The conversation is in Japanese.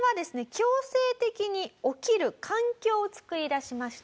強制的に起きる環境を作り出しました。